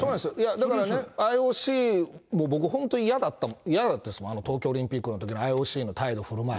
だからね、ＩＯＣも僕、本当に嫌だったですもん、東京オリンピックのときのＩＯＣの態度、ふるまい。